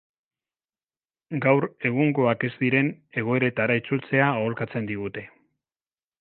Gaur egungoak ez diren egoeretara itzultzea aholkatzen digute.